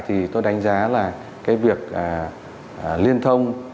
thì tôi đánh giá là cái việc liên thông